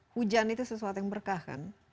hujan itu sesuatu yang berkah kan